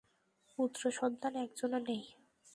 পুত্র-সন্তান একজনও নেই।